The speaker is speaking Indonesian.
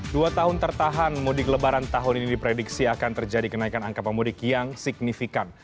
dua tahun tertahan mudik lebaran tahun ini diprediksi akan terjadi kenaikan angka pemudik yang signifikan